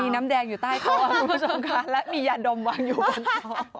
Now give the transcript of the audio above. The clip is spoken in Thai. น้ำแดงอยู่ใต้คอคุณผู้ชมค่ะและมียาดมวางอยู่บนโต๊ะ